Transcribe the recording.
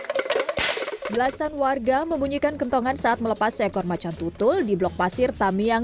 hai belasan warga membunyikan kentongan saat melepas seekor macan tutul di blok pasir tamiang